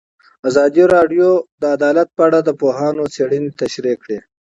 ازادي راډیو د عدالت په اړه د پوهانو څېړنې تشریح کړې.